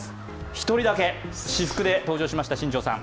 １人だけ私服で登場した新庄さん。